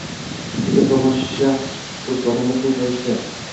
Tekin tomoshsha koʻrishga odamlar koʻpayishdi